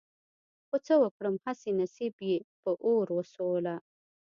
خو څه وکړم هسې نصيب يې په اور وسوله.